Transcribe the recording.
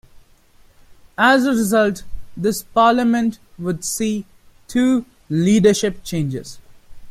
As a result, this Parliament would see two leadership changes.